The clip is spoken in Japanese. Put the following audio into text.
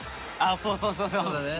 そうそうそうそう！